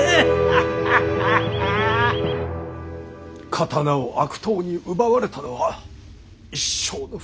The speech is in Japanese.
刀を悪党に奪われたのは一生の不覚。